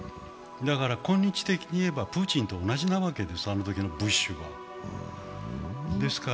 だから今日的にいえばプーチンと同じわけです、あのときのブッシュも。